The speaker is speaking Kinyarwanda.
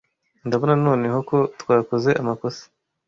Ndabona noneho ko twakoze amakosa.